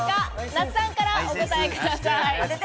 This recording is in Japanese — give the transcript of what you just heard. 那須さんからお答えください。